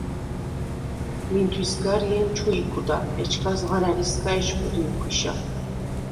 ლინთვისგა რიენ ჩუ იკვდა, ეჩქას ღარა̈რისგა იშყვდივ ქვიშა.